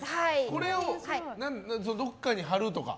これをどっかに貼るとか？